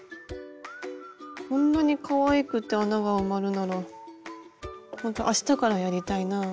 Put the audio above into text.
こんなにかわいくて穴が埋まるならほんとあしたからやりたいなあ。